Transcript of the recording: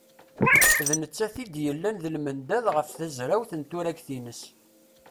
D nettat i d-yellan d lmendad ɣef tezrawt n turagt-ines.